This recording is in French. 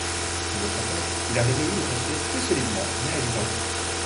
Toujours confiant, il a résolu de construire plus solidement, mais à l'identique.